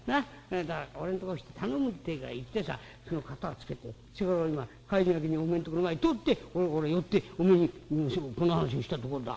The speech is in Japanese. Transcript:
だから俺のとこ来て『頼む』ってえから行ってさその片をつけてちょうど今帰りがけにおめえんとこの前通って寄っておめえにこの話をしたとこだ」。